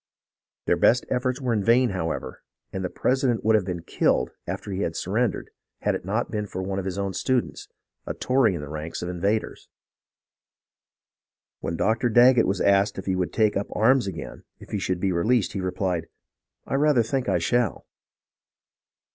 Their best efforts were in vain, however, and the president would have been killed after he had surrendered had it not been for one of his own students, a Tory in the ranks of the invaders. When Dr. Daggett was asked if he would take up arms again if he should be released, he replied, " I rather think I shall."